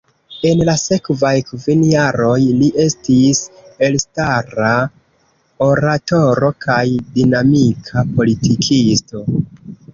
En la sekvaj kvin jaroj, li estis elstara oratoro kaj dinamika politikisto.